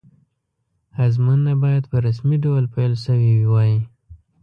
ازموینه باید په رسمي ډول پیل شوې وی.